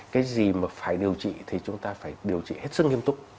cái gì mà phải điều trị thì chúng ta phải điều trị hết sức nghiêm túc